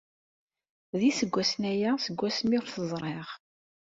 D iseggasen aya seg wasmi ur t-ẓriɣ.